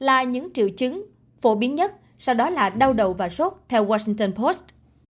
là những triệu chứng phổ biến nhất sau đó là đau đầu và sốt theo washington post